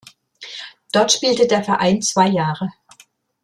Dort spielte der Verein zwei Jahre.